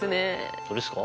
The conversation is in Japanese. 本当ですか？